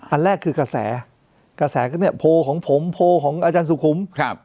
อันแรกคือกระแสกระแสก็เนี่ยโพลของผมโพลของอาจารย์สุขุมครับ